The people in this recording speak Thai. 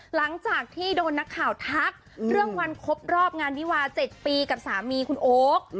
หลังจากที่โดนนักข่าวทักเรื่องวันครบรอบงานวิวา๗ปีกับสามีคุณโอ๊ค